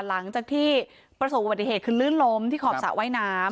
หลังจากที่ประสบอุบัติเหตุคือลื่นล้มที่ขอบสระว่ายน้ำ